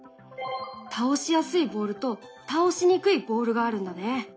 倒しやすいボールと倒しにくいボールがあるんだね。